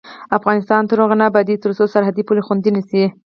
افغانستان تر هغو نه ابادیږي، ترڅو سرحدي پولې خوندي نشي.